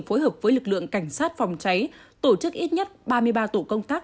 phối hợp với lực lượng cảnh sát phòng cháy tổ chức ít nhất ba mươi ba tổ công tác